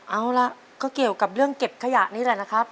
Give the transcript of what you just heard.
เอาล่ะก็เกี่ยวกับเรื่องเก็บขยะนี่แหละนะครับ